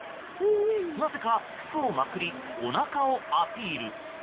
なぜか服をまくりおなかをアピール。